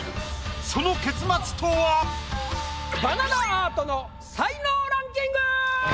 その結末とは⁉バナナアートの才能ランキング！